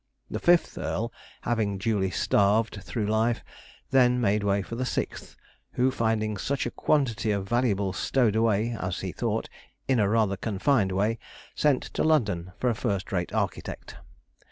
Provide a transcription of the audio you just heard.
The fifth earl having duly starved through life, then made way for the sixth; who, finding such a quantity of valuables stowed away, as he thought, in rather a confined way, sent to London for a first rate architect.